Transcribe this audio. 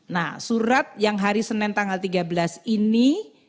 nah surat yang hari senin tanggal tiga belas ini